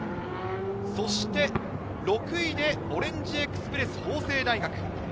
６位でオレンジエクスプレス法政大学。